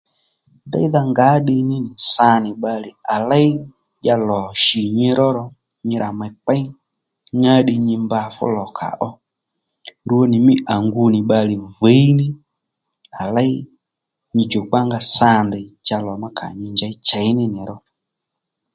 Déydha ngǎ ddiy ní nì sa nì bbalè à léy ya lò shì nyi ró ro nyi rà mèy kpéy ngá ddiy nyi mba fúlò kà ó rwo nì mî à ngu nì bbalè viy ní à léy nyi djòkpanga sa ndèy cha lo ma kà nyi njěy chěy ní nì ró